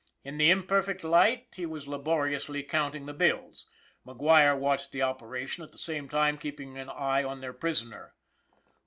In the imperfect light, he was laboriously counting the bills. McGuire watched the operation, at the same time keeping an eye on their prisoner.